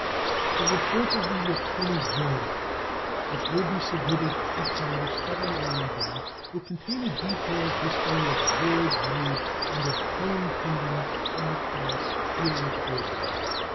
The report of the Attorney General, which will be submitted to Congress at an early day, will contain a detailed history of awards made and of claim pending of the class here referred to.